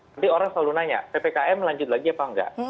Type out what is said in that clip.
nanti orang selalu nanya ppkm lanjut lagi apa enggak